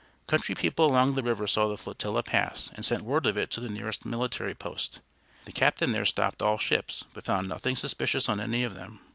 Country people along the river saw the flotilla pass, and sent word of it to the nearest military post. The captain there stopped all ships, but found nothing suspicious on any of them.